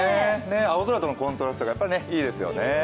青空とのコントラストがやっぱりいいですよね。